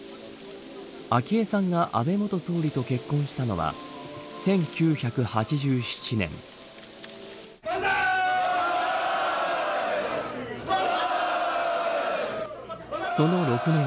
昭恵さんが安倍元総理と結婚したのは１９８７年。